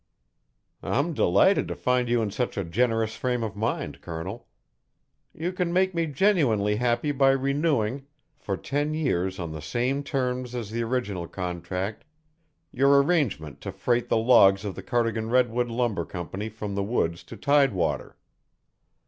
"I'm delighted to find you in such a generous frame of mind, Colonel. You can make me genuinely happy by renewing, for ten years on the same terms as the original contract, your arrangement to freight the logs of the Cardigan Redwood Lumber Company from the woods to tidewater."